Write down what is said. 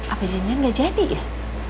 apa janjian gak jadi gak